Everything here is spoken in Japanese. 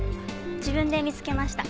自分で見つけました。